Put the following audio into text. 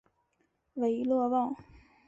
韦勒旺。